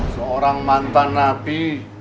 seorang mantan nabi